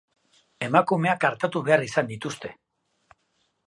Emakumeak artatu behar izan dituzte.